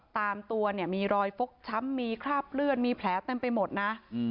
ตามตัวเนี่ยมีรอยฟกช้ำมีคราบเลือดมีแผลเต็มไปหมดนะ